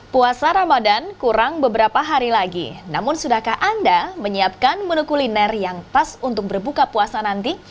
puasa ramadan kurang beberapa hari lagi namun sudahkah anda menyiapkan menu kuliner yang pas untuk berbuka puasa nanti